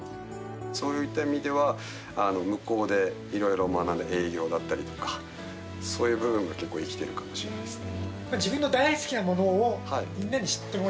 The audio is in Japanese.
そういった意味では向こうで色々学んだ営業だったりとかそういう部分が結構生きてるかもしれないですね。